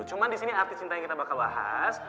cuman disini arti cinta yang kita bakal bahas